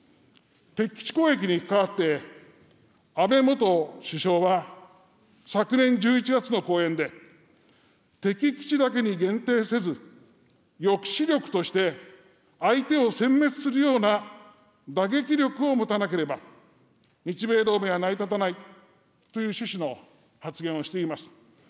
敵基地攻撃にかかわって安倍元首相は昨年１１月の講演で、敵基地だけに限定せず、抑止力として相手をせん滅するような打撃力を持たなければ、日米同盟はなりたたないという趣旨の発言をしています。